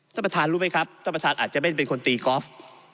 ท่านประธานรู้ไหมครับท่านประธานอาจจะไม่ได้เป็นคนตีกอล์ฟ